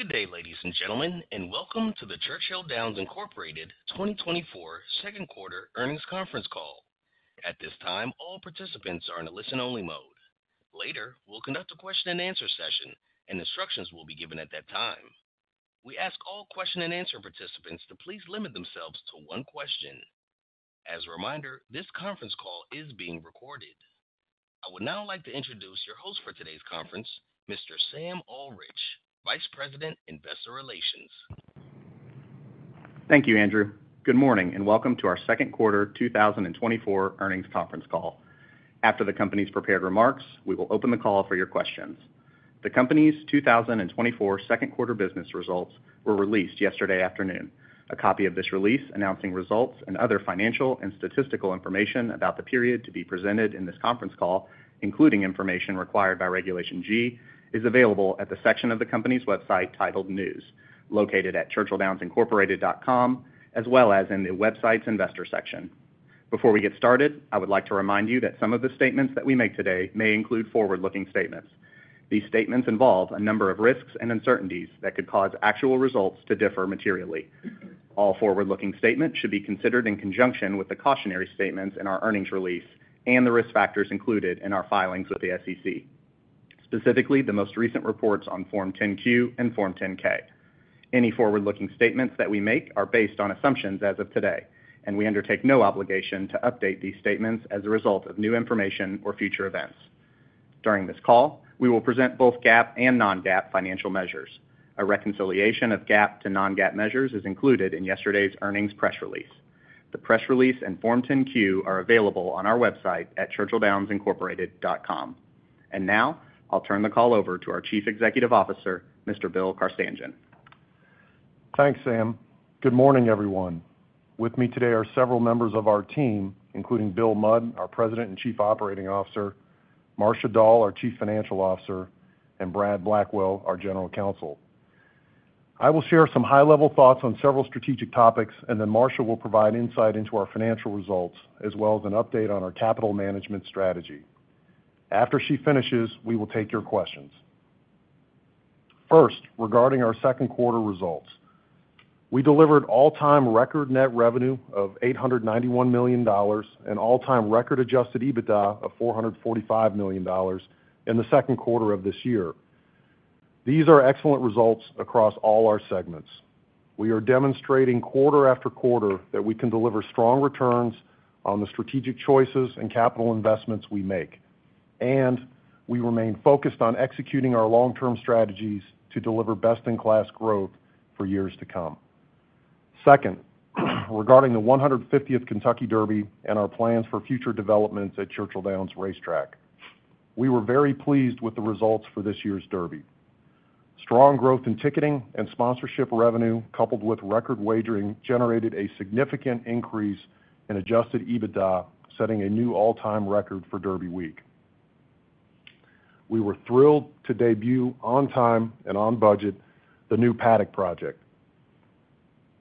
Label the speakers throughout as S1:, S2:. S1: Good day, ladies and gentlemen, and welcome to the Churchill Downs Incorporated 2024 second quarter earnings conference call. At this time, all participants are in a listen-only mode. Later, we'll conduct a question and answer session, and instructions will be given at that time. We ask all question and answer participants to please limit themselves to one question. As a reminder, this conference call is being recorded. I would now like to introduce your host for today's conference, Mr. Sam Ullrich, Vice President, Investor Relations.
S2: Thank you, Andrew. Good morning and welcome to our second quarter 2024 earnings conference call. After the company's prepared remarks, we will open the call for your questions. The company's 2024 second quarter business results were released yesterday afternoon. A copy of this release announcing results and other financial and statistical information about the period to be presented in this conference call, including information required by Regulation G, is available at the section of the company's website titled News, located at Churchill Downs Incorporated dot com, as well as in the website's investor section. Before we get started, I would like to remind you that some of the statements that we make today may include forward-looking statements. These statements involve a number of risks and uncertainties that could cause actual results to differ materially. All forward-looking statements should be considered in conjunction with the cautionary statements in our earnings release and the risk factors included in our filings with the SEC, specifically the most recent reports on Form 10-Q and Form 10-K. Any forward-looking statements that we make are based on assumptions as of today, and we undertake no obligation to update these statements as a result of new information or future events. During this call, we will present both GAAP and non-GAAP financial measures. A reconciliation of GAAP to non-GAAP measures is included in yesterday's earnings press release. The press release and Form 10-Q are available on our website at Churchill Downs Incorporated dot com. And now, I'll turn the call over to our Chief Executive Officer, Mr. Bill Carstanjen.
S3: Thanks, Sam. Good morning, everyone. With me today are several members of our team, including Bill Mudd, our President and Chief Operating Officer, Marcia Dall, our Chief Financial Officer, and Brad Blackwell, our General Counsel. I will share some high-level thoughts on several strategic topics, and then Marcia will provide insight into our financial results, as well as an update on our capital management strategy. After she finishes, we will take your questions. First, regarding our second quarter results, we delivered all-time record net revenue of $891 million and all-time record adjusted EBITDA of $445 million in the second quarter of this year. These are excellent results across all our segments. We are demonstrating quarter after quarter that we can deliver strong returns on the strategic choices and capital investments we make, and we remain focused on executing our long-term strategies to deliver best-in-class growth for years to come. Second, regarding the 150th Kentucky Derby and our plans for future developments at Churchill Downs Racetrack, we were very pleased with the results for this year's Derby. Strong growth in ticketing and sponsorship revenue, coupled with record wagering, generated a significant increase in Adjusted EBITDA, setting a new all-time record for Derby Week. We were thrilled to debut on time and on budget the new Paddock Project.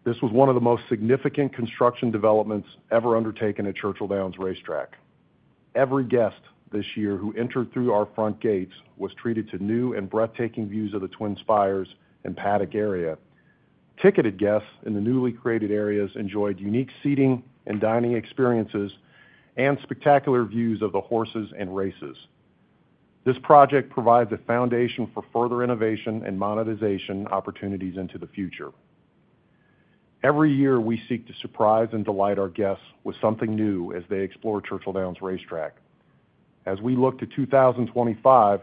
S3: This was one of the most significant construction developments ever undertaken at Churchill Downs Racetrack. Every guest this year who entered through our front gates was treated to new and breathtaking views of the Twin Spires and paddock area. Ticketed guests in the newly created areas enjoyed unique seating and dining experiences and spectacular views of the horses and races. This project provides a foundation for further innovation and monetization opportunities into the future. Every year, we seek to surprise and delight our guests with something new as they explore Churchill Downs Racetrack. As we look to 2025,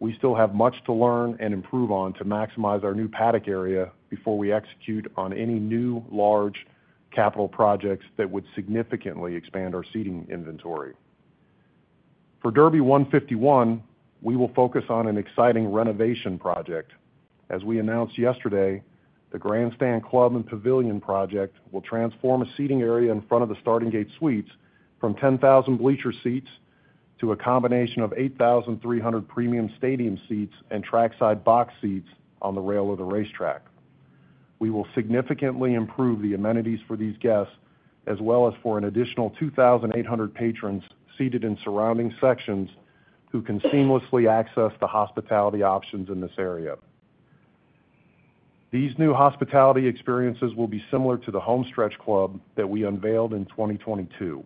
S3: we still have much to learn and improve on to maximize our new paddock area before we execute on any new large capital projects that would significantly expand our seating inventory. For Derby 151, we will focus on an exciting renovation project. As we announced yesterday, the Grandstand Club and Pavilion project will transform a seating area in front of the Starting Gate Suites from 10,000 bleacher seats to a combination of 8,300 premium stadium seats and trackside box seats on the rail of the racetrack. We will significantly improve the amenities for these guests, as well as for an additional 2,800 patrons seated in surrounding sections who can seamlessly access the hospitality options in this area. These new hospitality experiences will be similar to the Homestretch Club that we unveiled in 2022.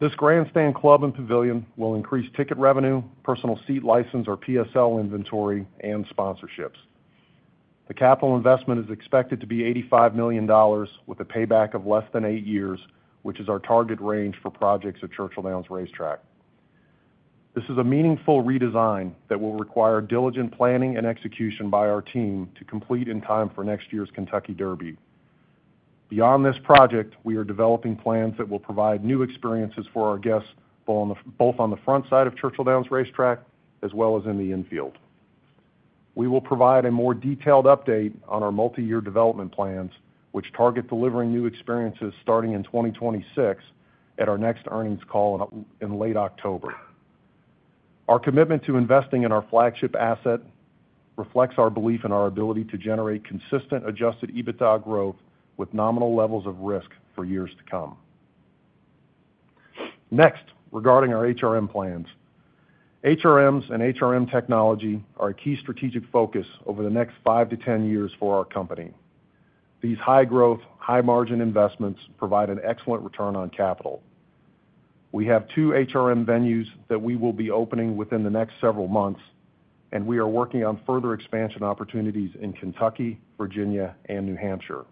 S3: This Grandstand Club and Pavilion will increase ticket revenue, personal seat license or PSL inventory, and sponsorships. The capital investment is expected to be $85 million, with a payback of less than eight years, which is our target range for projects at Churchill Downs Racetrack. This is a meaningful redesign that will require diligent planning and execution by our team to complete in time for next year's Kentucky Derby. Beyond this project, we are developing plans that will provide new experiences for our guests both on the front side of Churchill Downs Racetrack as well as in the infield. We will provide a more detailed update on our multi-year development plans, which target delivering new experiences starting in 2026 at our next earnings call in late October. Our commitment to investing in our flagship asset reflects our belief in our ability to generate consistent adjusted EBITDA growth with nominal levels of risk for years to come. Next, regarding our HRM plans, HRMs and HRM technology are a key strategic focus over the next 5-10 years for our company. These high-growth, high-margin investments provide an excellent return on capital. We have 2 HRM venues that we will be opening within the next several months, and we are working on further expansion opportunities in Kentucky, Virginia, and New Hampshire.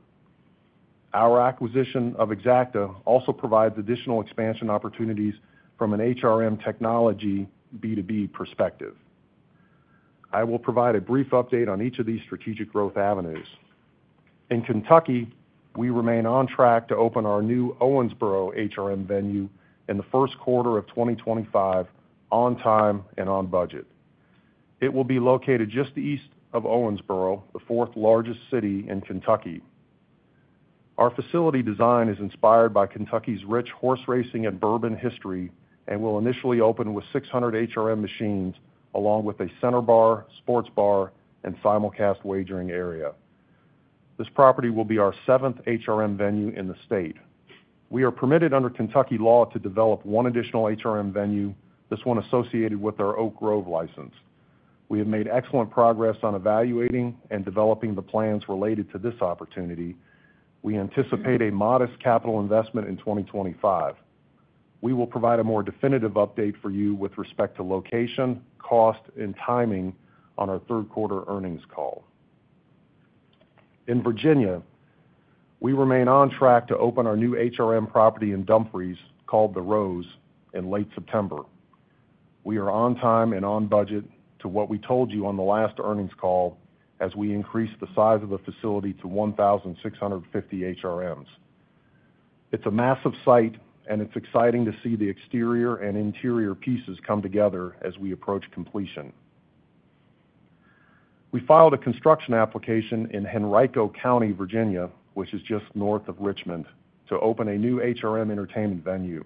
S3: Our acquisition of Exacta also provides additional expansion opportunities from an HRM technology B2B perspective. I will provide a brief update on each of these strategic growth avenues. In Kentucky, we remain on track to open our new Owensboro HRM venue in the first quarter of 2025 on time and on budget. It will be located just east of Owensboro, the fourth largest city in Kentucky. Our facility design is inspired by Kentucky's rich horse racing and bourbon history and will initially open with 600 HRM machines along with a center bar, sports bar, and simulcast wagering area. This property will be our seventh HRM venue in the state. We are permitted under Kentucky law to develop one additional HRM venue, this one associated with our Oak Grove license. We have made excellent progress on evaluating and developing the plans related to this opportunity. We anticipate a modest capital investment in 2025. We will provide a more definitive update for you with respect to location, cost, and timing on our third quarter earnings call. In Virginia, we remain on track to open our new HRM property in Dumfries called The Rose in late September. We are on time and on budget to what we told you on the last earnings call as we increase the size of the facility to 1,650 HRMs. It's a massive site, and it's exciting to see the exterior and interior pieces come together as we approach completion. We filed a construction application in Henrico County, Virginia, which is just north of Richmond, to open a new HRM entertainment venue.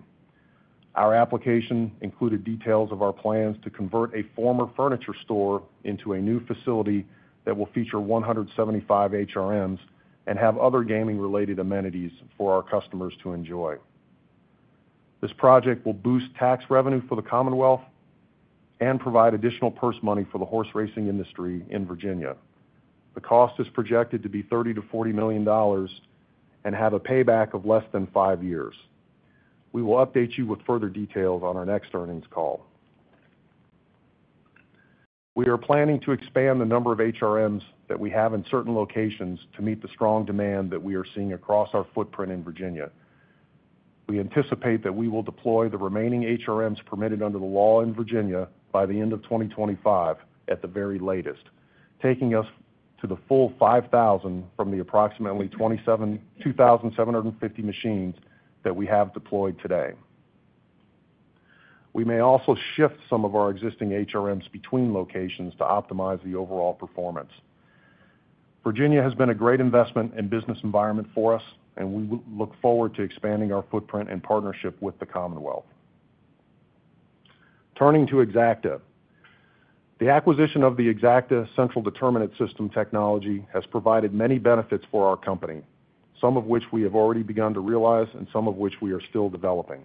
S3: Our application included details of our plans to convert a former furniture store into a new facility that will feature 175 HRMs and have other gaming-related amenities for our customers to enjoy. This project will boost tax revenue for the Commonwealth and provide additional purse money for the horse racing industry in Virginia. The cost is projected to be $30-$40 million and have a payback of less than five years. We will update you with further details on our next earnings call. We are planning to expand the number of HRMs that we have in certain locations to meet the strong demand that we are seeing across our footprint in Virginia. We anticipate that we will deploy the remaining HRMs permitted under the law in Virginia by the end of 2025 at the very latest, taking us to the full 5,000 from the approximately 2,750 machines that we have deployed today. We may also shift some of our existing HRMs between locations to optimize the overall performance. Virginia has been a great investment and business environment for us, and we look forward to expanding our footprint and partnership with the Commonwealth. Turning to Exacta, the acquisition of the Exacta central determinant system technology has provided many benefits for our company, some of which we have already begun to realize and some of which we are still developing.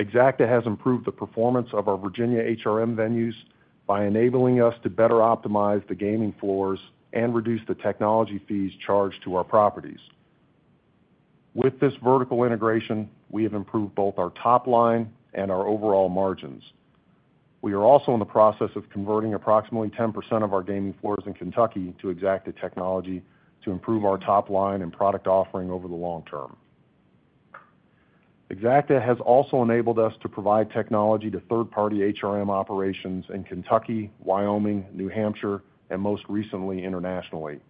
S3: Exacta has improved the performance of our Virginia HRM venues by enabling us to better optimize the gaming floors and reduce the technology fees charged to our properties. With this vertical integration, we have improved both our top line and our overall margins. We are also in the process of converting approximately 10% of our gaming floors in Kentucky to Exacta technology to improve our top line and product offering over the long term. Exacta has also enabled us to provide technology to third-party HRM operations in Kentucky, Wyoming, New Hampshire, and most recently internationally.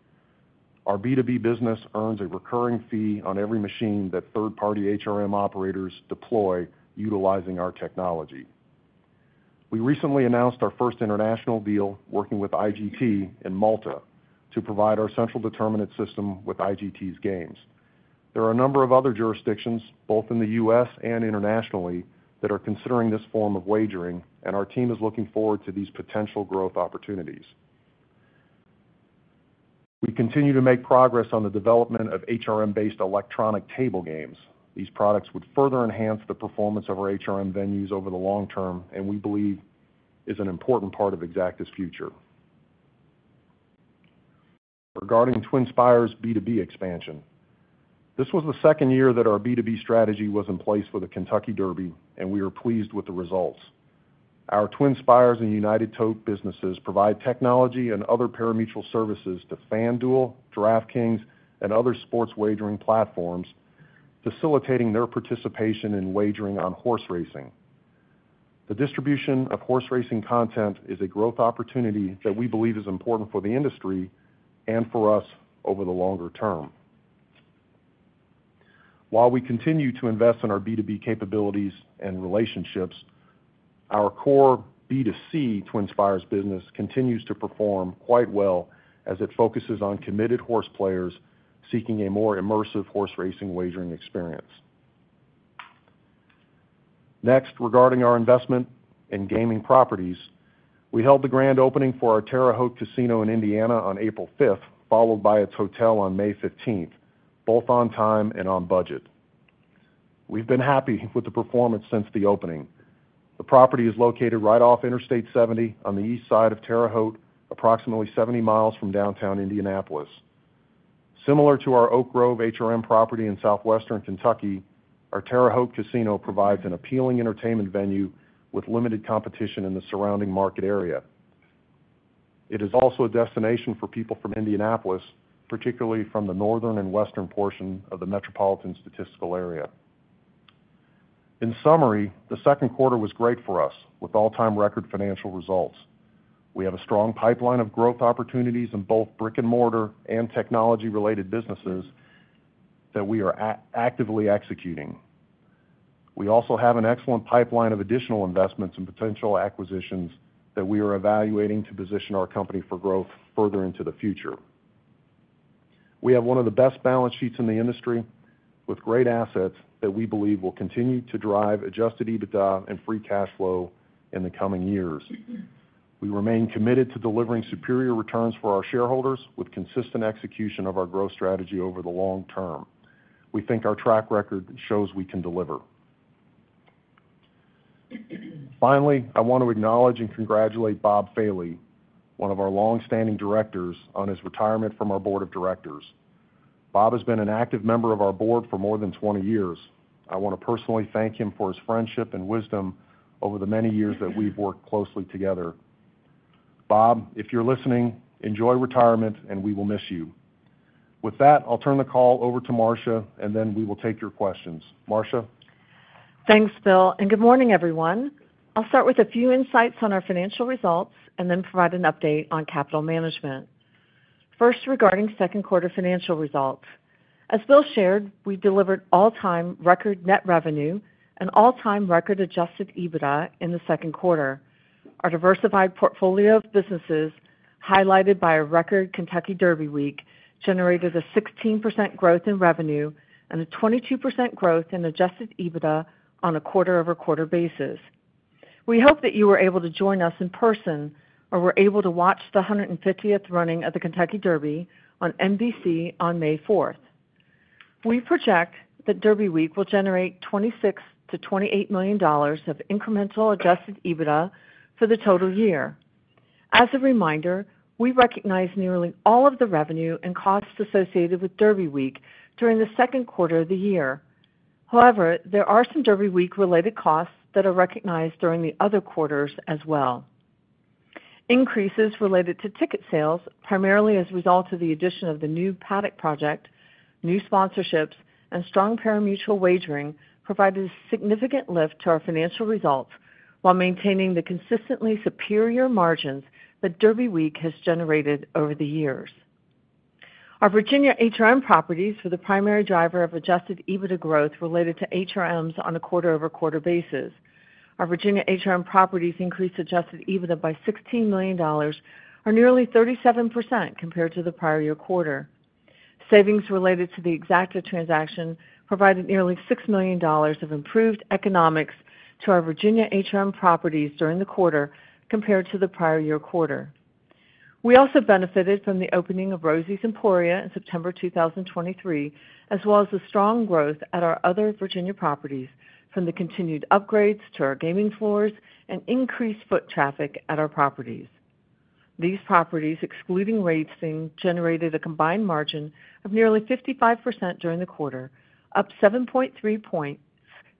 S3: Our B2B business earns a recurring fee on every machine that third-party HRM operators deploy utilizing our technology. We recently announced our first international deal working with IGT in Malta to provide our central determinant system with IGT's games. There are a number of other jurisdictions, both in the U.S. and internationally, that are considering this form of wagering, and our team is looking forward to these potential growth opportunities. We continue to make progress on the development of HRM-based electronic table games. These products would further enhance the performance of our HRM venues over the long term, and we believe it is an important part of Exacta's future. Regarding TwinSpires' B2B expansion, this was the second year that our B2B strategy was in place for the Kentucky Derby, and we are pleased with the results. Our TwinSpires and United Tote businesses provide technology and other pari-mutuel services to FanDuel, DraftKings, and other sports wagering platforms, facilitating their participation in wagering on horse racing. The distribution of horse racing content is a growth opportunity that we believe is important for the industry and for us over the longer term. While we continue to invest in our B2B capabilities and relationships, our core B2C TwinSpires business continues to perform quite well as it focuses on committed horse players seeking a more immersive horse racing wagering experience. Next, regarding our investment in gaming properties, we held the grand opening for our Terre Haute Casino in Indiana on April 5th, followed by its hotel on May 15th, both on time and on budget. We've been happy with the performance since the opening. The property is located right off Interstate 70 on the east side of Terre Haute, approximately 70 miles from downtown Indianapolis. Similar to our Oak Grove HRM property in southwestern Kentucky, our Terre Haute Casino provides an appealing entertainment venue with limited competition in the surrounding market area. It is also a destination for people from Indianapolis, particularly from the northern and western portion of the metropolitan statistical area. In summary, the second quarter was great for us with all-time record financial results. We have a strong pipeline of growth opportunities in both brick-and-mortar and technology-related businesses that we are actively executing. We also have an excellent pipeline of additional investments and potential acquisitions that we are evaluating to position our company for growth further into the future. We have one of the best balance sheets in the industry with great assets that we believe will continue to drive Adjusted EBITDA and Free Cash Flow in the coming years. We remain committed to delivering superior returns for our shareholders with consistent execution of our growth strategy over the long term. We think our track record shows we can deliver. Finally, I want to acknowledge and congratulate Bob Fealy, one of our longstanding directors, on his retirement from our board of directors. Bob has been an active member of our board for more than 20 years. I want to personally thank him for his friendship and wisdom over the many years that we've worked closely together. Bob, if you're listening, enjoy retirement, and we will miss you. With that, I'll turn the call over to Marcia, and then we will take your questions. Marcia.
S4: Thanks, Bill. Good morning, everyone. I'll start with a few insights on our financial results and then provide an update on capital management. First, regarding second quarter financial results. As Bill shared, we delivered all-time record net revenue and all-time record Adjusted EBITDA in the second quarter. Our diversified portfolio of businesses, highlighted by a record Kentucky Derby week, generated a 16% growth in revenue and a 22% growth in Adjusted EBITDA on a quarter-over-quarter basis. We hope that you were able to join us in person or were able to watch the 150th running of the Kentucky Derby on NBC on May 4th. We project that Derby Week will generate $26 million-$28 million of incremental Adjusted EBITDA for the total year. As a reminder, we recognize nearly all of the revenue and costs associated with Derby Week during the second quarter of the year. However, there are some Derby Week-related costs that are recognized during the other quarters as well. Increases related to ticket sales, primarily as a result of the addition of the new Paddock Project, new sponsorships, and strong pari-mutuel wagering, provided a significant lift to our financial results while maintaining the consistently superior margins that Derby Week has generated over the years. Our Virginia HRM properties were the primary driver of adjusted EBITDA growth related to HRMs on a quarter-over-quarter basis. Our Virginia HRM properties increased adjusted EBITDA by $16 million, or nearly 37% compared to the prior year quarter. Savings related to the Exacta transaction provided nearly $6 million of improved economics to our Virginia HRM properties during the quarter compared to the prior year quarter. We also benefited from the opening of Rosie's Emporia in September 2023, as well as the strong growth at our other Virginia properties from the continued upgrades to our gaming floors and increased foot traffic at our properties. These properties, excluding racing, generated a combined margin of nearly 55% during the quarter, up 7.3 points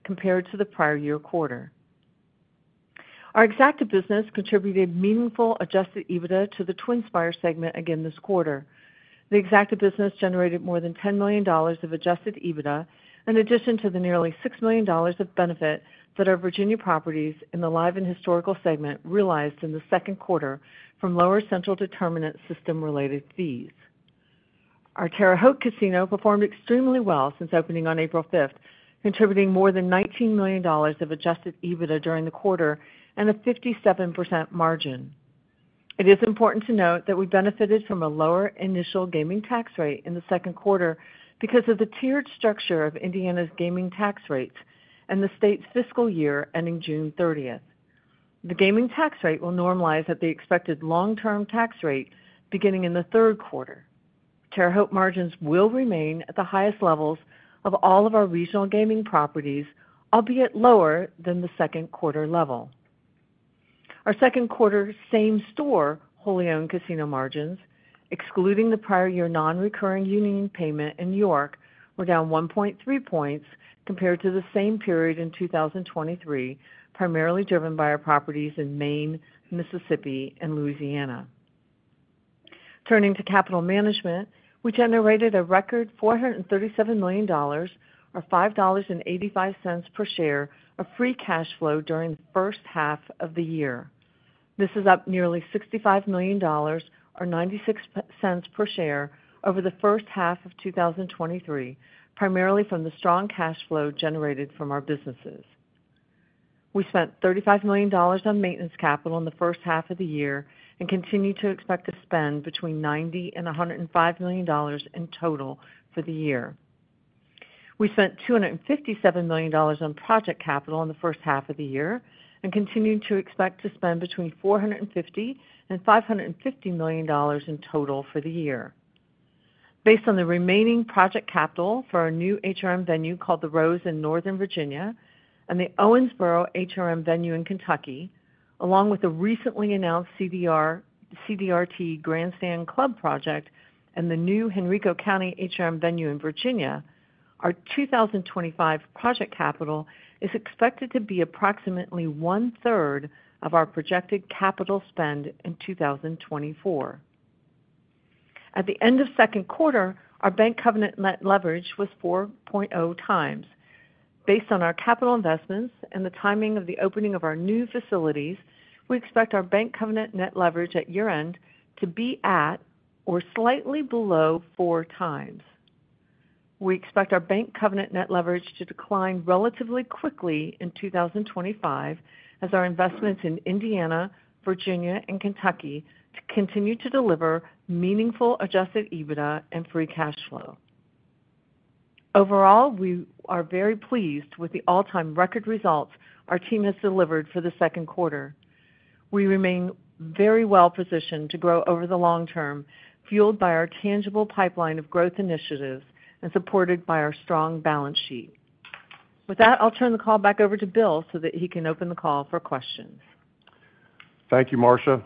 S4: compared to the prior year quarter. Our Exacta business contributed meaningful Adjusted EBITDA to the TwinSpires segment again this quarter. The Exacta business generated more than $10 million of Adjusted EBITDA, in addition to the nearly $6 million of benefit that our Virginia properties in the live and historical segment realized in the second quarter from lower Central Determinant System-related fees. Our Terre Haute Casino performed extremely well since opening on April 5th, contributing more than $19 million of Adjusted EBITDA during the quarter and a 57% margin. It is important to note that we benefited from a lower initial gaming tax rate in the second quarter because of the tiered structure of Indiana's gaming tax rates and the state's fiscal year ending June 30th. The gaming tax rate will normalize at the expected long-term tax rate beginning in the third quarter. Terre Haute margins will remain at the highest levels of all of our regional gaming properties, albeit lower than the second quarter level. Our second quarter same-store wholly-owned casino margins, excluding the prior year non-recurring union payment in York, were down 1.3 points compared to the same period in 2023, primarily driven by our properties in Maine, Mississippi, and Louisiana. Turning to capital management, we generated a record $437 million, or $5.85 per share, of free cash flow during the first half of the year. This is up nearly $65 million, or $0.96 per share, over the first half of 2023, primarily from the strong cash flow generated from our businesses. We spent $35 million on maintenance capital in the first half of the year and continue to expect to spend between $90 and $105 million in total for the year. We spent $257 million on project capital in the first half of the year and continue to expect to spend between $450 and $550 million in total for the year. Based on the remaining project capital for our new HRM venue called the Rose in Northern Virginia and the Owensboro HRM venue in Kentucky, along with the recently announced CDRT Grandstand Club project and the new Henrico County HRM venue in Virginia, our 2025 project capital is expected to be approximately one-third of our projected capital spend in 2024. At the end of second quarter, our bank covenant net leverage was 4.0 times. Based on our capital investments and the timing of the opening of our new facilities, we expect our bank covenant net leverage at year-end to be at or slightly below 4 times. We expect our bank covenant net leverage to decline relatively quickly in 2025 as our investments in Indiana, Virginia, and Kentucky continue to deliver meaningful Adjusted EBITDA and Free Cash Flow. Overall, we are very pleased with the all-time record results our team has delivered for the second quarter. We remain very well positioned to grow over the long term, fueled by our tangible pipeline of growth initiatives and supported by our strong balance sheet. With that, I'll turn the call back over to Bill so that he can open the call for questions.
S3: Thank you, Marcia.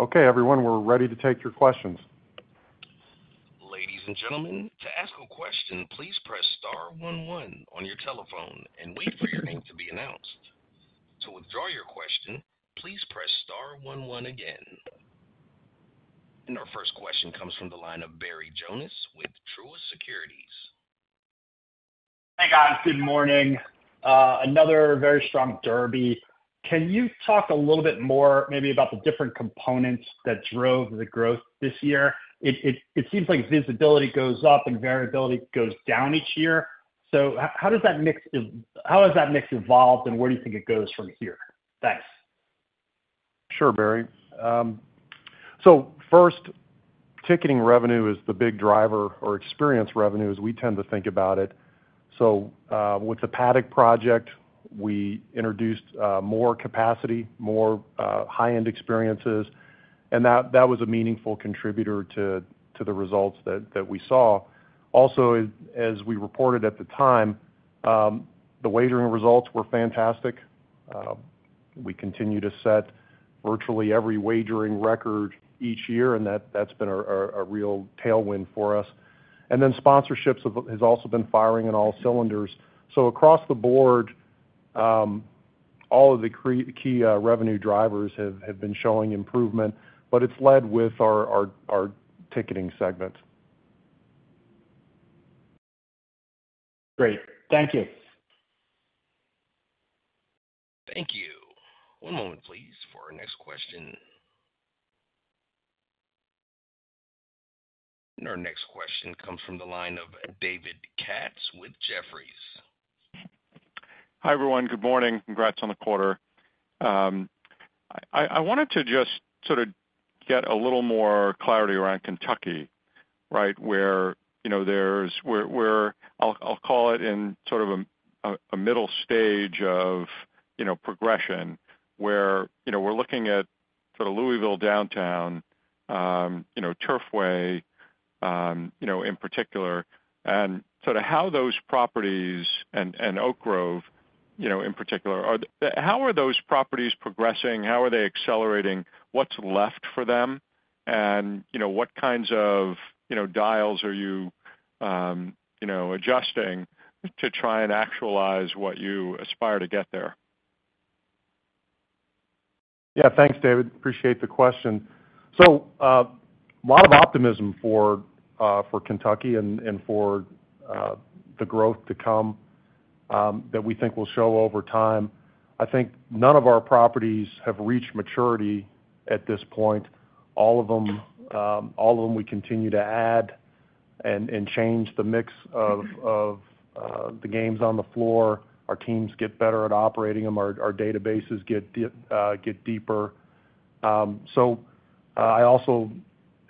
S3: Okay, everyone, we're ready to take your questions.
S1: Ladies and gentlemen, to ask a question, please press star 11 on your telephone and wait for your name to be announced. To withdraw your question, please press star 11 again. Our first question comes from the line of Barry Jonas with Truist Securities.
S5: Hey, guys. Good morning. Another very strong Derby. Can you talk a little bit more maybe about the different components that drove the growth this year? It seems like visibility goes up and variability goes down each year. So how does that mix evolve, and where do you think it goes from here? Thanks.
S3: Sure, Barry. So first, ticketing revenue is the big driver, or experience revenue as we tend to think about it. So with the Paddock Project, we introduced more capacity, more high-end experiences, and that was a meaningful contributor to the results that we saw. Also, as we reported at the time, the wagering results were fantastic. We continue to set virtually every wagering record each year, and that's been a real tailwind for us. And then sponsorships have also been firing on all cylinders. So across the board, all of the key revenue drivers have been showing improvement, but it's led with our ticketing segment.
S5: Great. Thank you.
S1: Thank you. One moment, please, for our next question. Our next question comes from the line of David Katz with Jefferies.
S6: Hi, everyone. Good morning. Congrats on the quarter. I wanted to just sort of get a little more clarity around Kentucky, right, where I'll call it in sort of a middle stage of progression where we're looking at sort of Louisville downtown, Turfway in particular, and sort of how those properties and Oak Grove in particular, how are those properties progressing? How are they accelerating? What's left for them? And what kinds of dials are you adjusting to try and actualize what you aspire to get there?
S3: Yeah, thanks, David. Appreciate the question. So a lot of optimism for Kentucky and for the growth to come that we think will show over time. I think none of our properties have reached maturity at this point. All of them we continue to add and change the mix of the games on the floor. Our teams get better at operating them. Our databases get deeper. So I also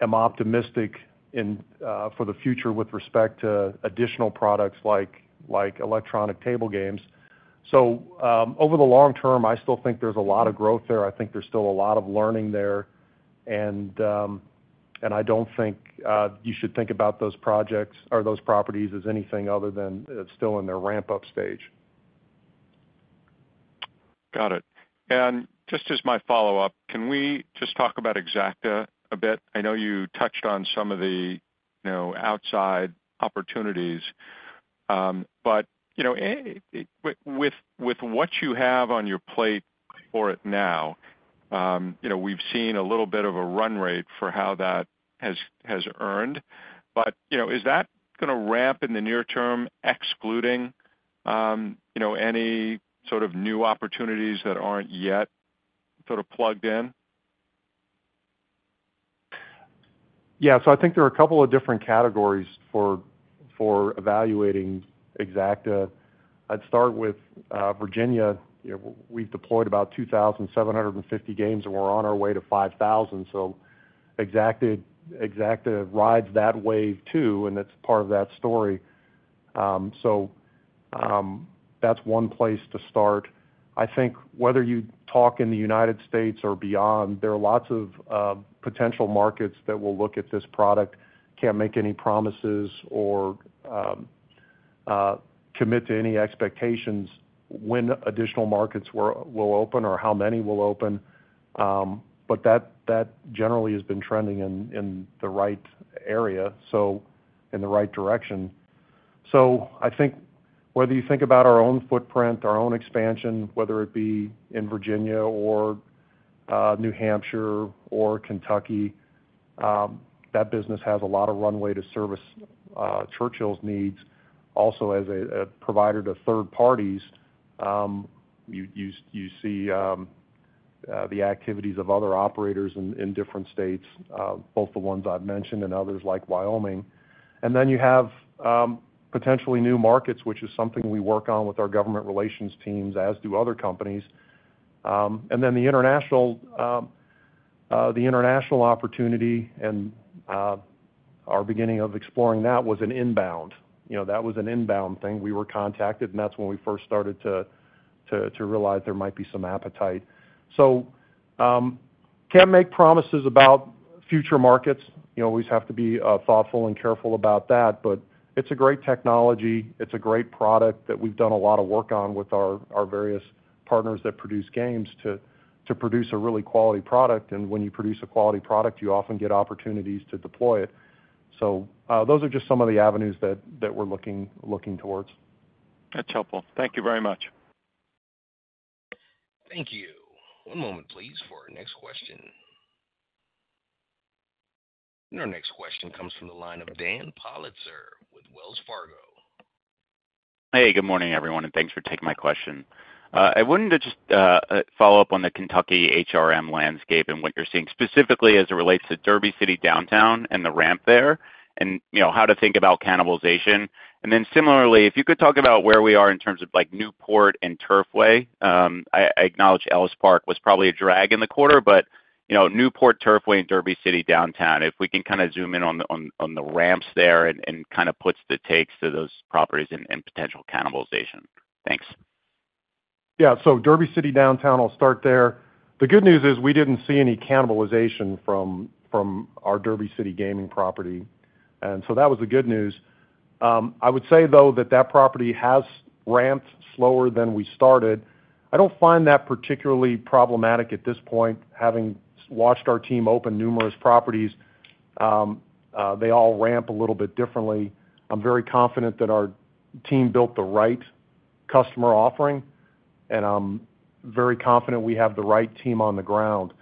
S3: am optimistic for the future with respect to additional products like electronic table games. So over the long term, I still think there's a lot of growth there. I think there's still a lot of learning there. I don't think you should think about those projects or those properties as anything other than still in their ramp-up stage.
S6: Got it. And just as my follow-up, can we just talk about Exacta a bit? I know you touched on some of the outside opportunities, but with what you have on your plate for it now, we've seen a little bit of a run rate for how that has earned. But is that going to ramp in the near term, excluding any sort of new opportunities that aren't yet sort of plugged in?
S3: Yeah. So I think there are a couple of different categories for evaluating Exacta. I'd start with Virginia. We've deployed about 2,750 games, and we're on our way to 5,000. So Exacta rides that wave too, and that's part of that story. So that's one place to start. I think whether you talk in the United States or beyond, there are lots of potential markets that will look at this product, can't make any promises or commit to any expectations when additional markets will open or how many will open. But that generally has been trending in the right area, so in the right direction. So I think whether you think about our own footprint, our own expansion, whether it be in Virginia or New Hampshire or Kentucky, that business has a lot of runway to service Churchill's needs. Also, as a provider to third parties, you see the activities of other operators in different states, both the ones I've mentioned and others like Wyoming. And then you have potentially new markets, which is something we work on with our government relations teams, as do other companies. And then the international opportunity and our beginning of exploring that was an inbound. That was an inbound thing. We were contacted, and that's when we first started to realize there might be some appetite. So can't make promises about future markets. You always have to be thoughtful and careful about that. But it's a great technology. It's a great product that we've done a lot of work on with our various partners that produce games to produce a really quality product. And when you produce a quality product, you often get opportunities to deploy it. So those are just some of the avenues that we're looking towards.
S6: That's helpful. Thank you very much.
S1: Thank you. One moment, please, for our next question. Our next question comes from the line of Dan Politzer with Wells Fargo.
S7: Hey, good morning, everyone, and thanks for taking my question. I wanted to just follow up on the Kentucky HRM landscape and what you're seeing specifically as it relates to Derby City downtown and the ramp there and how to think about cannibalization. And then similarly, if you could talk about where we are in terms of Newport and Turfway. I acknowledge Ellis Park was probably a drag in the quarter, but Newport, Turfway, and Derby City downtown, if we can kind of zoom in on the ramps there and kind of put the takes to those properties and potential cannibalization. Thanks.
S3: Yeah. So Derby City Gaming Downtown, I'll start there. The good news is we didn't see any cannibalization from our Derby City Gaming property. So that was the good news. I would say, though, that that property has ramped slower than we started. I don't find that particularly problematic at this point. Having watched our team open numerous properties, they all ramp a little bit differently. I'm very confident that our team built the right customer offering, and I'm very confident we have the right team on the ground.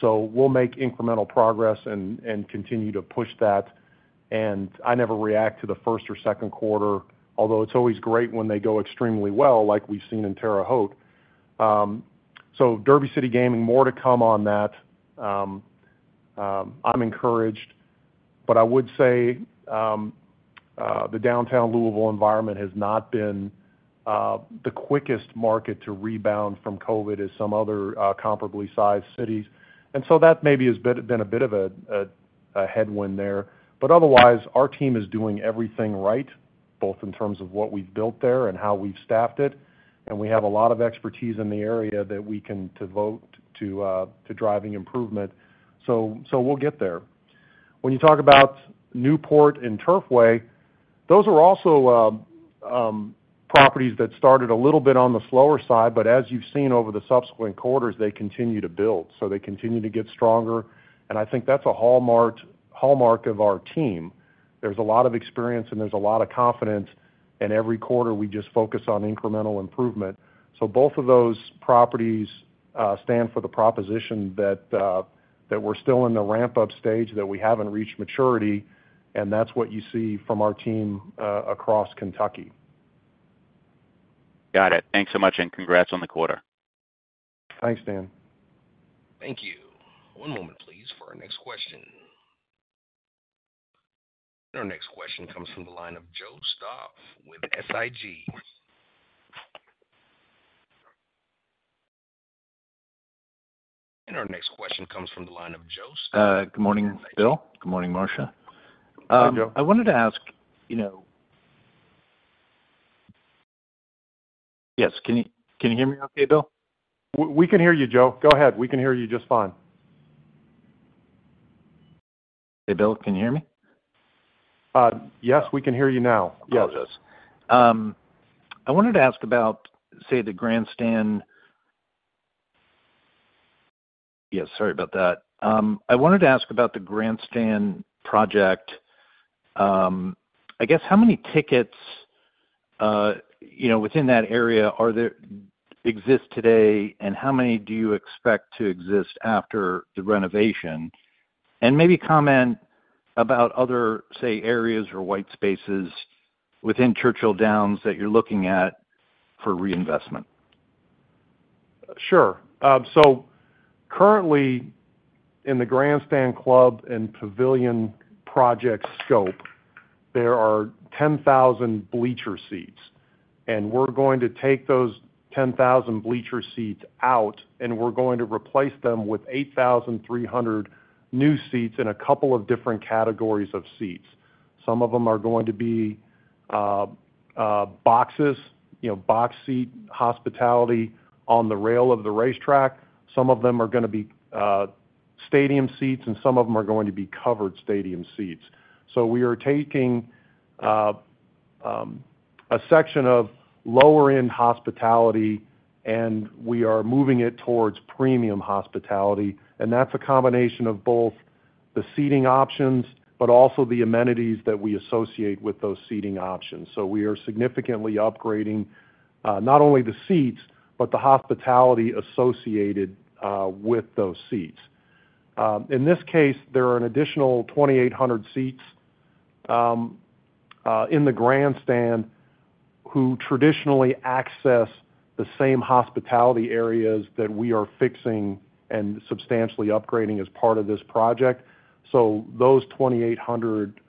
S3: So we'll make incremental progress and continue to push that. I never react to the first or second quarter, although it's always great when they go extremely well, like we've seen in Terre Haute. So Derby City Gaming, more to come on that. I'm encouraged. But I would say the downtown Louisville environment has not been the quickest market to rebound from COVID as some other comparably sized cities. And so that maybe has been a bit of a headwind there. But otherwise, our team is doing everything right, both in terms of what we've built there and how we've staffed it. And we have a lot of expertise in the area that we can devote to driving improvement. So we'll get there. When you talk about Newport and Turfway, those are also properties that started a little bit on the slower side. But as you've seen over the subsequent quarters, they continue to build. So they continue to get stronger. And I think that's a hallmark of our team. There's a lot of experience, and there's a lot of confidence. And every quarter, we just focus on incremental improvement. Both of those properties stand for the proposition that we're still in the ramp-up stage, that we haven't reached maturity. That's what you see from our team across Kentucky.
S7: Got it. Thanks so much, and congrats on the quarter.
S3: Thanks, Dan.
S1: Thank you. One moment, please, for our next question. And our next question comes from the line of Joseph Stauff with SIG.
S8: Good morning, Bill. Good morning, Marcia.
S6: Hey, Joe.
S8: I wanted to ask you know. Yes. Can you hear me okay, Bill?
S3: We can hear you, Joe. Go ahead. We can hear you just fine.
S8: Hey, Bill. Can you hear me?
S3: Yes, we can hear you now. Yes.
S8: I apologize. I wanted to ask about, say, the Grandstand. Yes. Sorry about that. I wanted to ask about the Grandstand project. I guess how many tickets within that area exist today, and how many do you expect to exist after the renovation? And maybe comment about other, say, areas or white spaces within Churchill Downs that you're looking at for reinvestment.
S3: Sure. Currently, in the Grandstand Club and Pavilion project scope, there are 10,000 bleacher seats. We're going to take those 10,000 bleacher seats out, and we're going to replace them with 8,300 new seats in a couple of different categories of seats. Some of them are going to be boxes, box seat hospitality on the rail of the racetrack. Some of them are going to be stadium seats, and some of them are going to be covered stadium seats. We're taking a section of lower-end hospitality, and we're moving it towards premium hospitality. That's a combination of both the seating options but also the amenities that we associate with those seating options. We're significantly upgrading not only the seats but the hospitality associated with those seats. In this case, there are an additional 2,800 seats in the Grandstand who traditionally access the same hospitality areas that we are fixing and substantially upgrading as part of this project. So those 2,800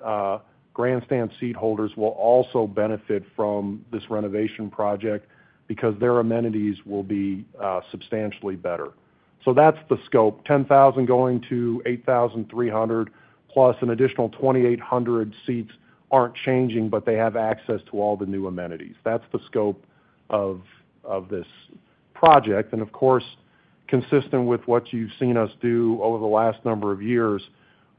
S3: Grandstand seat holders will also benefit from this renovation project because their amenities will be substantially better. So that's the scope. 10,000 going to 8,300 plus an additional 2,800 seats aren't changing, but they have access to all the new amenities. That's the scope of this project. And of course, consistent with what you've seen us do over the last number of years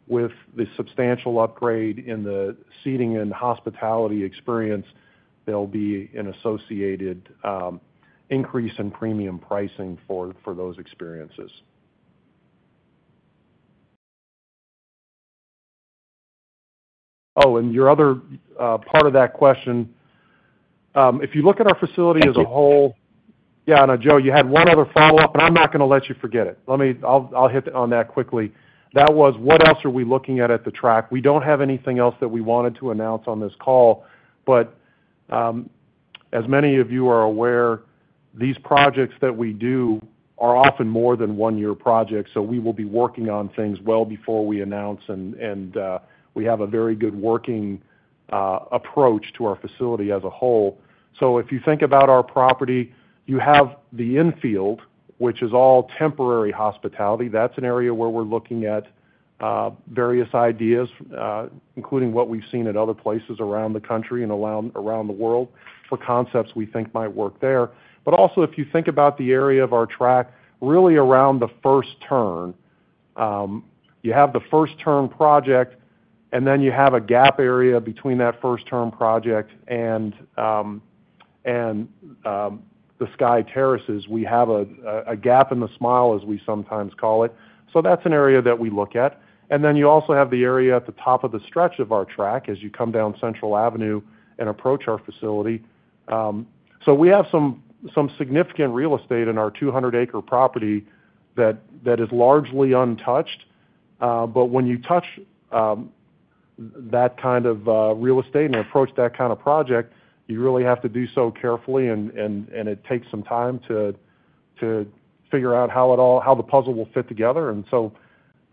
S3: with the substantial upgrade in the seating and hospitality experience, there'll be an associated increase in premium pricing for those experiences. Oh, and your other part of that question, if you look at our facility as a whole.
S6: Go ahead.
S3: Yeah. No, Joe, you had one other follow-up, and I'm not going to let you forget it. I'll hit on that quickly. That was, what else are we looking at at the track? We don't have anything else that we wanted to announce on this call. But as many of you are aware, these projects that we do are often more than one-year projects. So we will be working on things well before we announce, and we have a very good working approach to our facility as a whole. So if you think about our property, you have the infield, which is all temporary hospitality. That's an area where we're looking at various ideas, including what we've seen at other places around the country and around the world for concepts we think might work there. But also, if you think about the area of our track, really around the first turn, you have the first-turn project, and then you have a gap area between that first-turn project and the Skye Terrace. We have a gap in the smile, as we sometimes call it. So that's an area that we look at. And then you also have the area at the top of the stretch of our track as you come down Central Avenue and approach our facility. So we have some significant real estate in our 200-acre property that is largely untouched. But when you touch that kind of real estate and approach that kind of project, you really have to do so carefully, and it takes some time to figure out how the puzzle will fit together.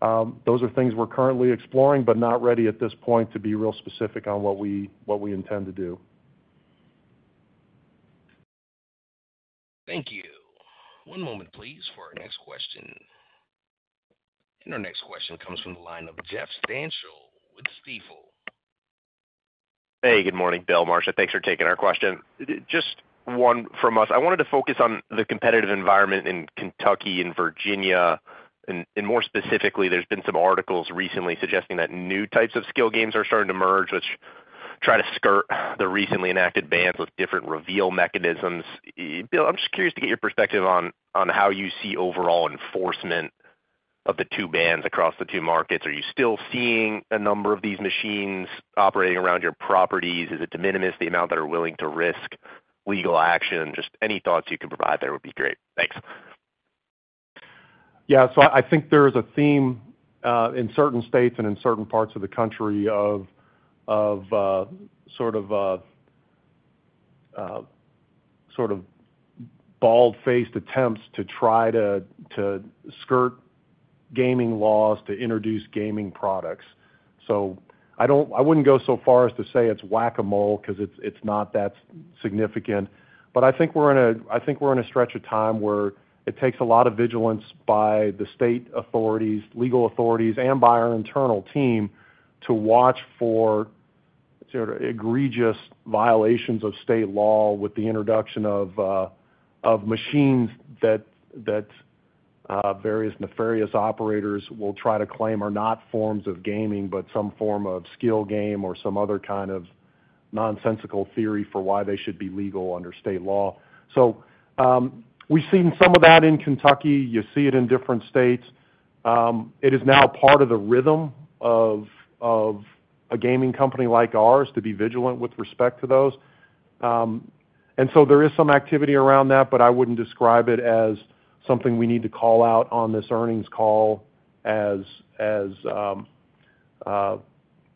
S3: Those are things we're currently exploring, but not ready at this point to be real specific on what we intend to do.
S1: Thank you. One moment, please, for our next question. Our next question comes from the line of Jeffrey Stantial with Stifel.
S9: Hey, good morning, Bill, Marcia. Thanks for taking our question. Just one from us. I wanted to focus on the competitive environment in Kentucky and Virginia. More specifically, there's been some articles recently suggesting that new types of skill games are starting to emerge, which try to skirt the recently enacted bans with different reveal mechanisms. Bill, I'm just curious to get your perspective on how you see overall enforcement of the two bans across the two markets. Are you still seeing a number of these machines operating around your properties? Is it de minimis the amount that are willing to risk legal action? Just any thoughts you can provide there would be great. Thanks.
S3: Yeah. So I think there is a theme in certain states and in certain parts of the country of sort of bald-faced attempts to try to skirt gaming laws to introduce gaming products. So I wouldn't go so far as to say it's whack-a-mole because it's not that significant. But I think we're in a stretch of time where it takes a lot of vigilance by the state authorities, legal authorities, and by our internal team to watch for sort of egregious violations of state law with the introduction of machines that various nefarious operators will try to claim are not forms of gaming, but some form of skill game or some other kind of nonsensical theory for why they should be legal under state law. So we've seen some of that in Kentucky. You see it in different states. It is now part of the rhythm of a gaming company like ours to be vigilant with respect to those. And so there is some activity around that, but I wouldn't describe it as something we need to call out on this earnings call as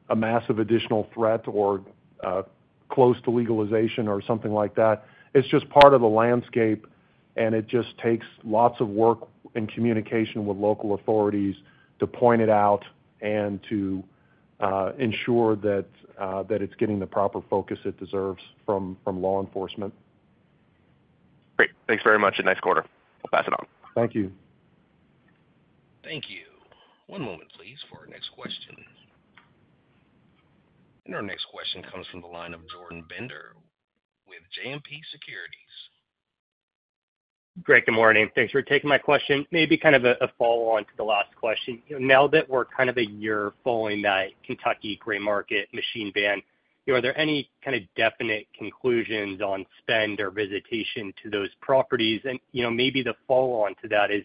S3: a massive additional threat or close to legalization or something like that. It's just part of the landscape, and it just takes lots of work and communication with local authorities to point it out and to ensure that it's getting the proper focus it deserves from law enforcement. Great. Thanks very much. And next quarter, we'll pass it on.
S9: Thank you.
S1: Thank you. One moment, please, for our next question. Our next question comes from the line of Jordan Bender with JMP Securities.
S10: Great. Good morning. Thanks for taking my question. Maybe kind of a follow-on to the last question. Now that we're kind of a year following that Kentucky gray market machine ban, are there any kind of definite conclusions on spend or visitation to those properties? And maybe the follow-on to that is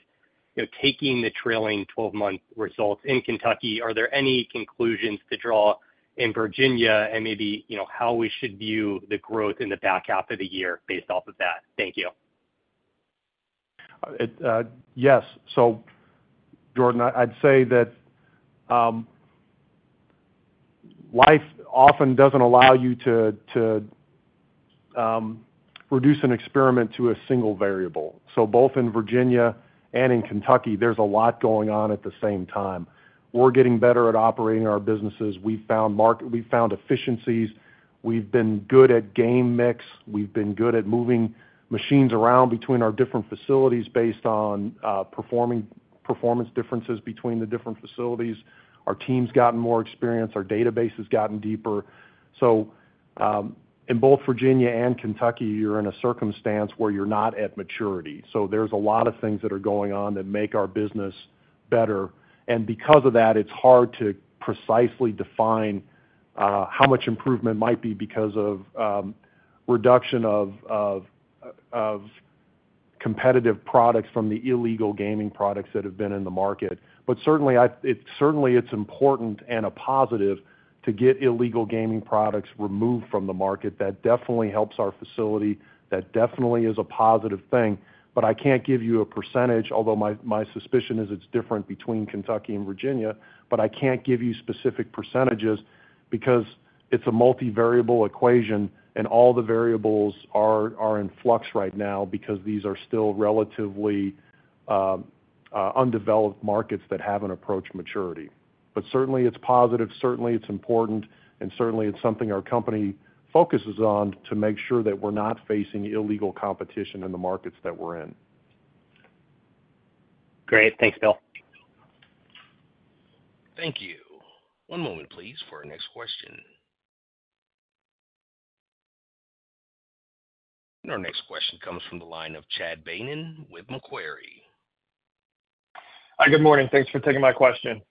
S10: taking the trailing 12-month results in Kentucky, are there any conclusions to draw in Virginia and maybe how we should view the growth in the back half of the year based off of that? Thank you.
S3: Yes. So Jordan, I'd say that life often doesn't allow you to reduce an experiment to a single variable. So both in Virginia and in Kentucky, there's a lot going on at the same time. We're getting better at operating our businesses. We've found efficiencies. We've been good at game mix. We've been good at moving machines around between our different facilities based on performance differences between the different facilities. Our team's gotten more experience. Our database has gotten deeper. So in both Virginia and Kentucky, you're in a circumstance where you're not at maturity. So there's a lot of things that are going on that make our business better. And because of that, it's hard to precisely define how much improvement might be because of reduction of competitive products from the illegal gaming products that have been in the market. But certainly, it's important and a positive to get illegal gaming products removed from the market. That definitely helps our facility. That definitely is a positive thing. But I can't give you a percentage, although my suspicion is it's different between Kentucky and Virginia, but I can't give you specific percentages because it's a multivariable equation, and all the variables are in flux right now because these are still relatively undeveloped markets that haven't approached maturity. But certainly, it's positive. Certainly, it's important. And certainly, it's something our company focuses on to make sure that we're not facing illegal competition in the markets that we're in.
S10: Great. Thanks, Bill.
S1: Thank you. One moment, please, for our next question. Our next question comes from the line of Chad Beynon with Macquarie.
S11: Hi, good morning. Thanks for taking my question.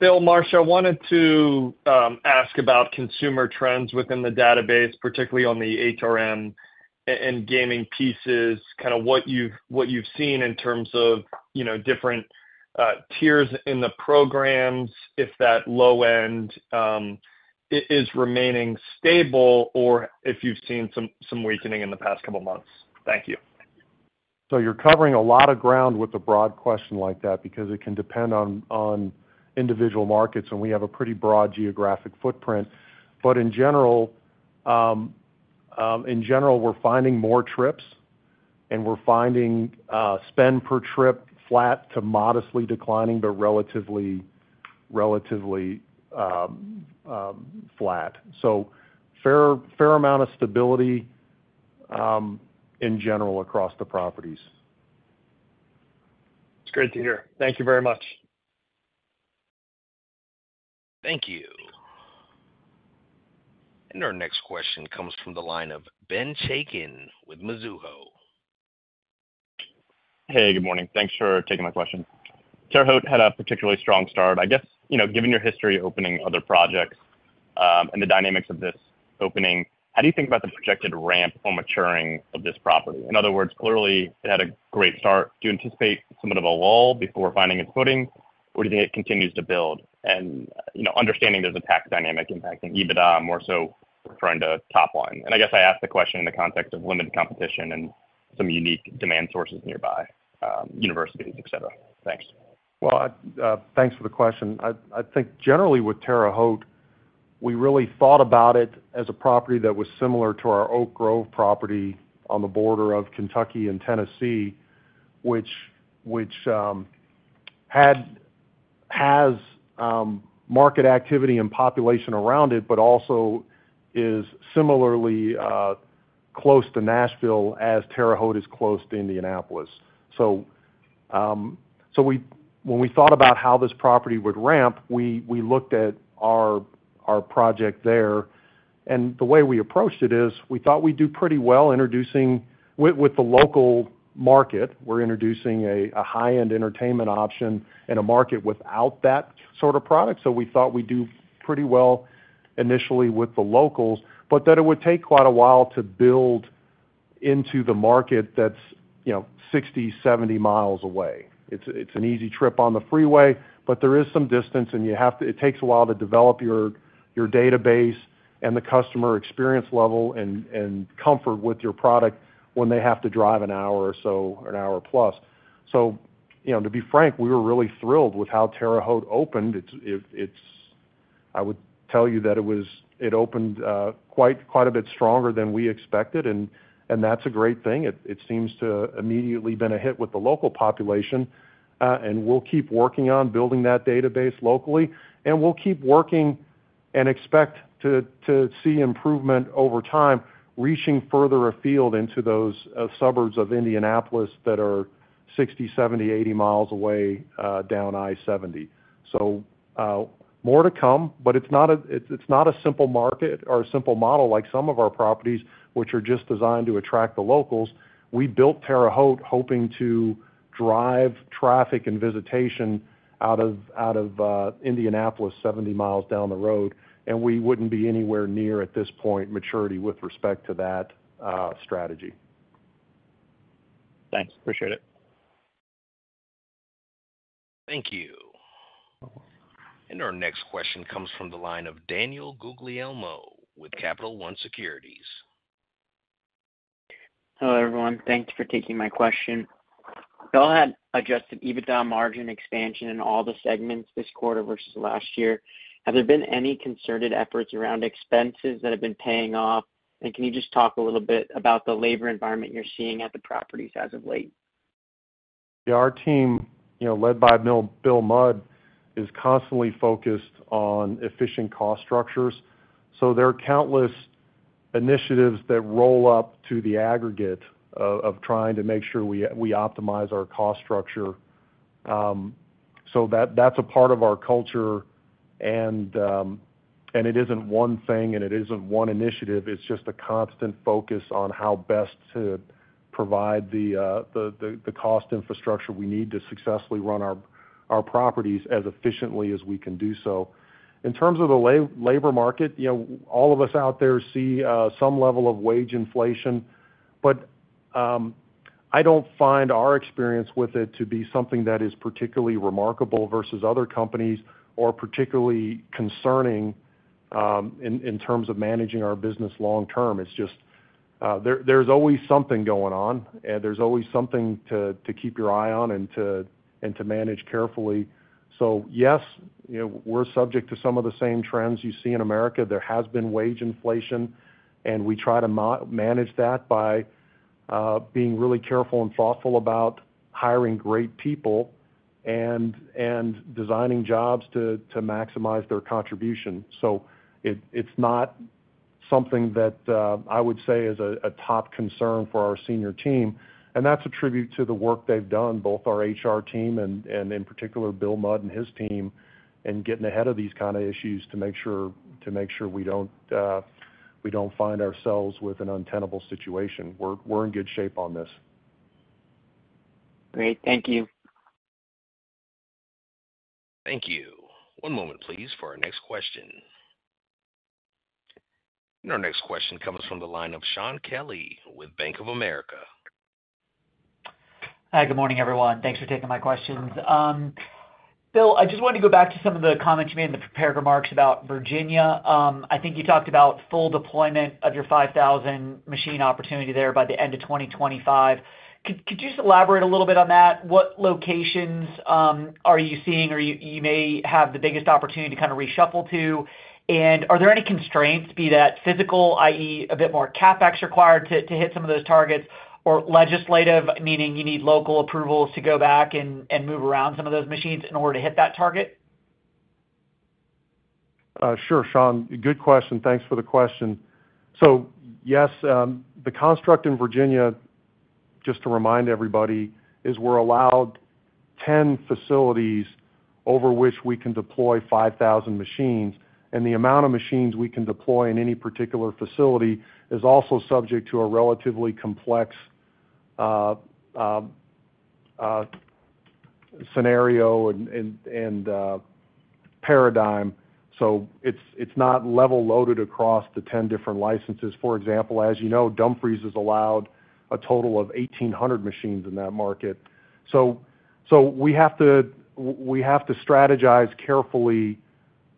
S11: Bill, Marcia, I wanted to ask about consumer trends within the database, particularly on the HRM and gaming pieces, kind of what you've seen in terms of different tiers in the programs, if that low-end is remaining stable, or if you've seen some weakening in the past couple of months? Thank you.
S3: So you're covering a lot of ground with a broad question like that because it can depend on individual markets, and we have a pretty broad geographic footprint. But in general, we're finding more trips, and we're finding spend per trip flat to modestly declining but relatively flat. So fair amount of stability in general across the properties.
S11: That's great to hear. Thank you very much.
S1: Thank you. Our next question comes from the line of Ben Chaiken with Mizuho.
S12: Hey, good morning. Thanks for taking my question. Terre Haute had a particularly strong start. I guess, given your history opening other projects and the dynamics of this opening, how do you think about the projected ramp or maturing of this property? In other words, clearly, it had a great start. Do you anticipate somewhat of a lull before finding its footing, or do you think it continues to build? And understanding there's a tax dynamic impacting EBITDA, more so referring to top line. And I guess I asked the question in the context of limited competition and some unique demand sources nearby, universities, etc. Thanks.
S3: Well, thanks for the question. I think generally with Terre Haute, we really thought about it as a property that was similar to our Oak Grove property on the border of Kentucky and Tennessee, which has market activity and population around it, but also is similarly close to Nashville as Terre Haute is close to Indianapolis. So when we thought about how this property would ramp, we looked at our project there. And the way we approached it is we thought we'd do pretty well introducing with the local market, we're introducing a high-end entertainment option in a market without that sort of product. So we thought we'd do pretty well initially with the locals, but that it would take quite a while to build into the market that's 60-70 miles away. It's an easy trip on the freeway, but there is some distance, and it takes a while to develop your database and the customer experience level and comfort with your product when they have to drive an hour or so or an hour plus. So to be frank, we were really thrilled with how Terre Haute opened. I would tell you that it opened quite a bit stronger than we expected, and that's a great thing. It seems to immediately have been a hit with the local population. We'll keep working on building that database locally, and we'll keep working and expect to see improvement over time, reaching further afield into those suburbs of Indianapolis that are 60, 70, 80 miles away down I-70. More to come, but it's not a simple market or a simple model like some of our properties, which are just designed to attract the locals. We built Terre Haute hoping to drive traffic and visitation out of Indianapolis 70 miles down the road, and we wouldn't be anywhere near at this point maturity with respect to that strategy.
S12: Thanks. Appreciate it.
S1: Thank you. Our next question comes from the line of Daniel Guglielmo with Capital One Securities.
S13: Hello, everyone. Thanks for taking my question. Bill had Adjusted EBITDA margin expansion in all the segments this quarter versus last year. Have there been any concerted efforts around expenses that have been paying off? And can you just talk a little bit about the labor environment you're seeing at the properties as of late?
S3: Yeah. Our team, led by Bill Mudd, is constantly focused on efficient cost structures. So there are countless initiatives that roll up to the aggregate of trying to make sure we optimize our cost structure. So that's a part of our culture, and it isn't one thing, and it isn't one initiative. It's just a constant focus on how best to provide the cost infrastructure we need to successfully run our properties as efficiently as we can do so. In terms of the labor market, all of us out there see some level of wage inflation, but I don't find our experience with it to be something that is particularly remarkable versus other companies or particularly concerning in terms of managing our business long term. It's just there's always something going on, and there's always something to keep your eye on and to manage carefully. So yes, we're subject to some of the same trends you see in America. There has been wage inflation, and we try to manage that by being really careful and thoughtful about hiring great people and designing jobs to maximize their contribution. So it's not something that I would say is a top concern for our senior team. And that's a tribute to the work they've done, both our HR team and in particular, Bill Mudd and his team, in getting ahead of these kind of issues to make sure we don't find ourselves with an untenable situation. We're in good shape on this.
S13: Great. Thank you.
S1: Thank you. One moment, please, for our next question. Our next question comes from the line of Shaun Kelley with Bank of America.
S14: Hi, good morning, everyone. Thanks for taking my questions. Bill, I just wanted to go back to some of the comments you made in the prepared remarks about Virginia. I think you talked about full deployment of your 5,000 machine opportunity there by the end of 2025. Could you just elaborate a little bit on that? What locations are you seeing or you may have the biggest opportunity to kind of reshuffle to? And are there any constraints, be that physical, i.e., a bit more CapEx required to hit some of those targets, or legislative, meaning you need local approvals to go back and move around some of those machines in order to hit that target?
S3: Sure, Shaun. Good question. Thanks for the question. So yes, the construct in Virginia, just to remind everybody, is we're allowed 10 facilities over which we can deploy 5,000 machines. And the amount of machines we can deploy in any particular facility is also subject to a relatively complex scenario and paradigm. So it's not level loaded across the 10 different licenses. For example, as you know, Dumfries has allowed a total of 1,800 machines in that market. So we have to strategize carefully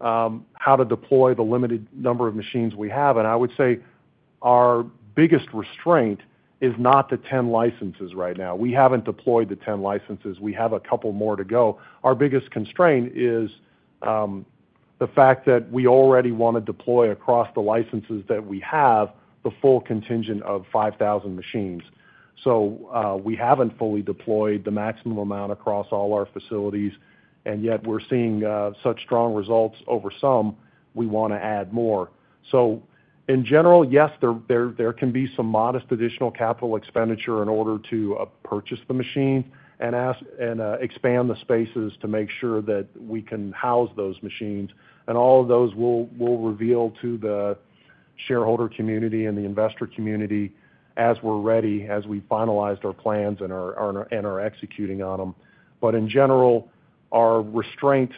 S3: how to deploy the limited number of machines we have. And I would say our biggest restraint is not the 10 licenses right now. We haven't deployed the 10 licenses. We have a couple more to go. Our biggest constraint is the fact that we already want to deploy across the licenses that we have the full contingent of 5,000 machines. So we haven't fully deployed the maximum amount across all our facilities, and yet we're seeing such strong results over some. We want to add more. So in general, yes, there can be some modest additional capital expenditure in order to purchase the machines and expand the spaces to make sure that we can house those machines. And all of those will reveal to the shareholder community and the investor community as we're ready, as we finalized our plans and are executing on them. But in general, our restraint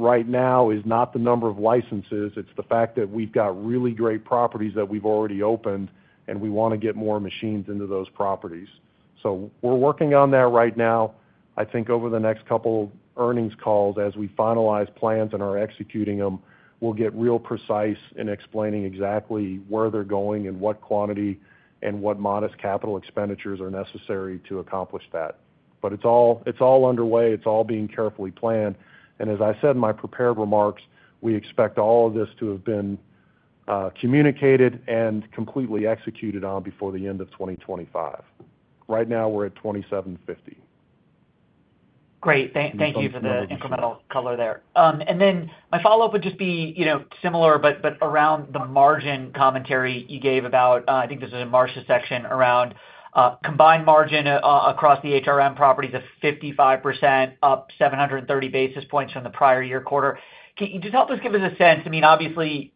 S3: right now is not the number of licenses. It's the fact that we've got really great properties that we've already opened, and we want to get more machines into those properties. So we're working on that right now. I think over the next couple of earnings calls, as we finalize plans and are executing them, we'll get real precise in explaining exactly where they're going and what quantity and what modest capital expenditures are necessary to accomplish that. But it's all underway. It's all being carefully planned. And as I said in my prepared remarks, we expect all of this to have been communicated and completely executed on before the end of 2025. Right now, we're at 2,750.
S14: Great. Thank you for the incremental color there. And then my follow-up would just be similar, but around the margin commentary you gave about, I think this is a Marcia section, around combined margin across the HRM properties of 55%, up 730 basis points from the prior year quarter. Can you just help us give us a sense? I mean, obviously,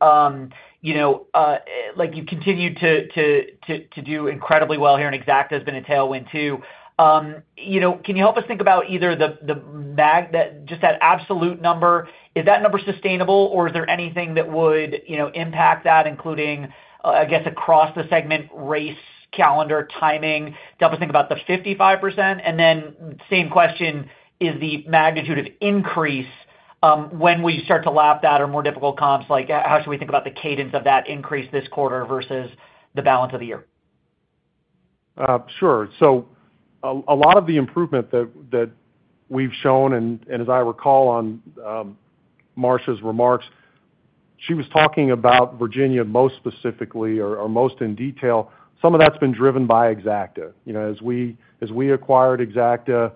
S14: you've continued to do incredibly well here, and Exacta has been a tailwind too. Can you help us think about either just that absolute number? Is that number sustainable, or is there anything that would impact that, including, I guess, across the segment, race, calendar, timing? Help us think about the 55%. And then same question, is the magnitude of increase when we start to lap that or more difficult comps? How should we think about the cadence of that increase this quarter versus the balance of the year?
S3: Sure. So a lot of the improvement that we've shown, and as I recall on Marcia's remarks, she was talking about Virginia most specifically or most in detail. Some of that's been driven by Exacta. As we acquired Exacta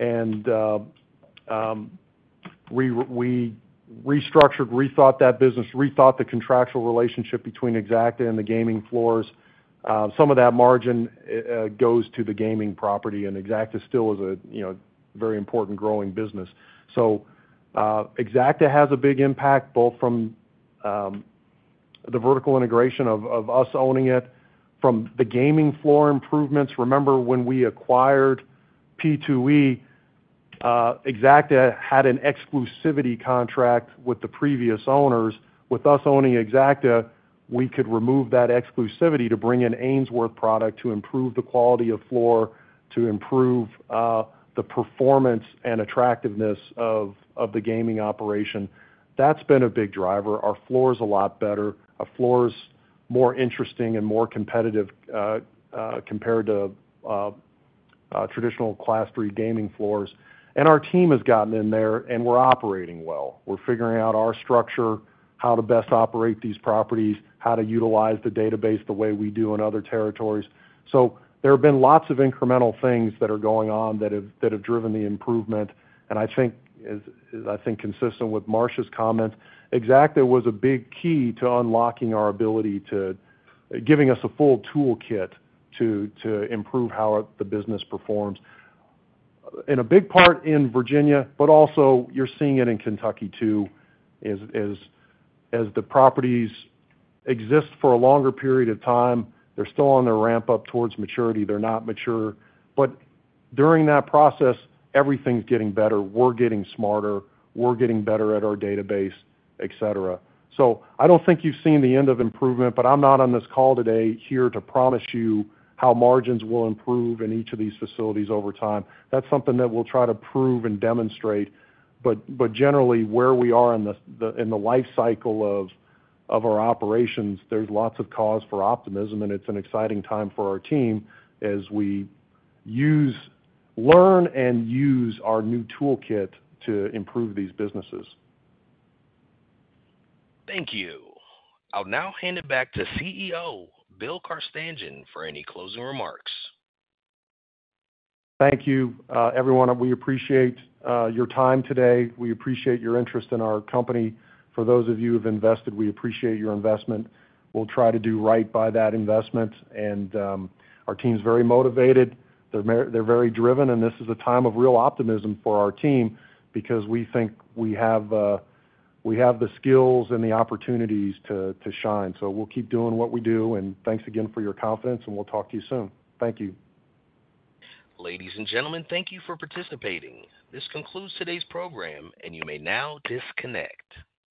S3: and we restructured, rethought that business, rethought the contractual relationship between Exacta and the gaming floors, some of that margin goes to the gaming property, and Exacta still is a very important growing business. So Exacta has a big impact, both from the vertical integration of us owning it, from the gaming floor improvements. Remember, when we acquired P2E, Exacta had an exclusivity contract with the previous owners. With us owning Exacta, we could remove that exclusivity to bring in Ainsworth product to improve the quality of floor, to improve the performance and attractiveness of the gaming operation. That's been a big driver. Our floor is a lot better. Our floor is more interesting and more competitive compared to traditional Class III Gaming floors. Our team has gotten in there, and we're operating well. We're figuring out our structure, how to best operate these properties, how to utilize the database the way we do in other territories. There have been lots of incremental things that are going on that have driven the improvement. I think, consistent with Marcia's comments, Exacta was a big key to unlocking our ability to giving us a full toolkit to improve how the business performs. In a big part in Virginia, but also you're seeing it in Kentucky too, as the properties exist for a longer period of time, they're still on the ramp up towards maturity. They're not mature. During that process, everything's getting better. We're getting smarter. We're getting better at our database, etc. I don't think you've seen the end of improvement, but I'm not on this call today here to promise you how margins will improve in each of these facilities over time. That's something that we'll try to prove and demonstrate. Generally, where we are in the life cycle of our operations, there's lots of cause for optimism, and it's an exciting time for our team as we learn and use our new toolkit to improve these businesses.
S1: Thank you. I'll now hand it back to CEO Bill Carstanjen for any closing remarks.
S3: Thank you, everyone. We appreciate your time today. We appreciate your interest in our company. For those of you who have invested, we appreciate your investment. We'll try to do right by that investment. Our team's very motivated. They're very driven, and this is a time of real optimism for our team because we think we have the skills and the opportunities to shine. We'll keep doing what we do, and thanks again for your confidence, and we'll talk to you soon. Thank you.
S1: Ladies and gentlemen, thank you for participating. This concludes today's program, and you may now disconnect.